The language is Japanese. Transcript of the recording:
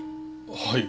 はい。